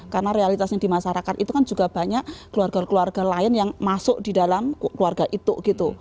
karena realitasnya di masyarakat itu kan juga banyak keluarga keluarga lain yang masuk di dalam keluarga itu gitu